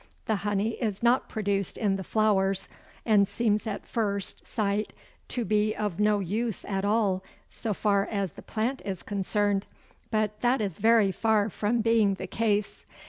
The honey is not produced in the flowers, and seems at first sight to be of no use at all so far as the plant is concerned, but that is very far from being the case.